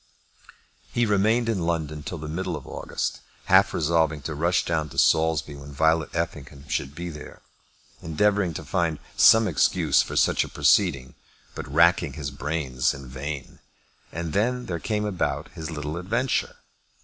He remained in London till the middle of August, half resolving to rush down to Saulsby when Violet Effingham should be there, endeavouring to find some excuse for such a proceeding, but racking his brains in vain, and then there came about his little adventure.